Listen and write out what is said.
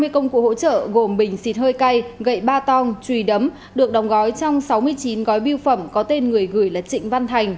hai mươi công cụ hỗ trợ gồm bình xịt hơi cay gậy ba tong chùy đấm được đóng gói trong sáu mươi chín gói biêu phẩm có tên người gửi là trịnh văn thành